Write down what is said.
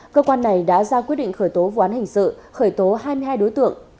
cơ quan này đã ra quyết định khởi tố vụ án hình sự khởi tố hai mươi hai đối tượng